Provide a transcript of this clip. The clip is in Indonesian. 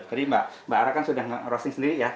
jadi mbak ara kan sudah roasting sendiri ya